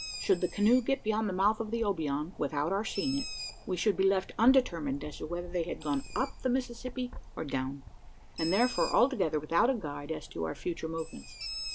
Should the canoe get beyond the mouth of the Obion without our seeing it we should be left undetermined as to whether they had gone up the Mississippi or down; and therefore altogether without a guide as to our future movements.